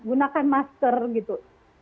gunakan masker gitu